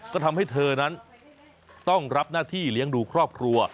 ก็ทำให้เธอนั้นต้องรับหน้าที่เลี้ยงดูครอบครัว